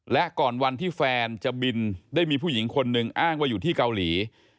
และก่อนวันที่แฟนจะบินได้มีผู้หญิงคนหนึ่งอ้างว่าอยู่ที่เกาหลี